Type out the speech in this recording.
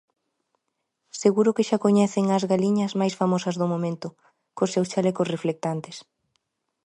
Seguro que xa coñecen ás galiñas máis famosas do momento, cos seus chalecos reflectantes.